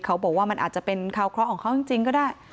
เขาบอกว่ามันอาจจะเป็นคราวเคราะห์ของเขาจริงก็ได้